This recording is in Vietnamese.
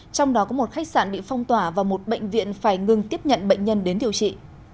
trong đó có một khách sạn bị phong tỏa và một bệnh viện phải ngừng tiếp nhận bệnh nhân đến điều trị